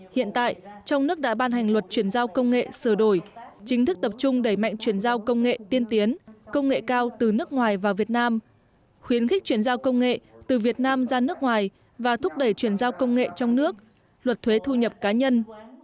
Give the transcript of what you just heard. hiện tại trong nước đã ban hành luật chuyển giao công nghệ sửa đổi chính thức tập trung đẩy mạnh chuyển giao công nghệ tiên tiến công nghệ cao từ nước ngoài vào việt nam khuyến khích chuyển giao công nghệ từ việt nam ra nước ngoài và thúc đẩy chuyển giao công nghệ trong nước luật thuế thu nhập cá nhân